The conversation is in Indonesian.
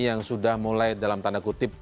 yang sudah mulai dalam tanda kutip